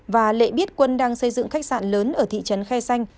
và lệ biết quân đang xây dựng khách sạn lớn ở thị trấn khe xanh